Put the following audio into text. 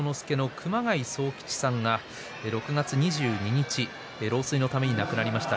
熊谷宗吉さんが６月２２日老衰のため亡くなりました。